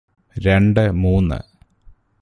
രണ്ട് മൂന്ന്